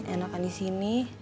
enakan di sini